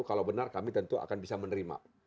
kalau benar kami tentu akan bisa menerima